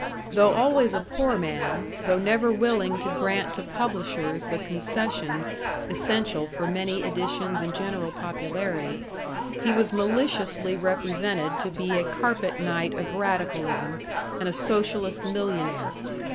Though always a poor man, though never willing to grant to publishers the concessions essential for many editions and general popularity, he was maliciously represented to be a carpet knight of radicalism and a socialist millionaire.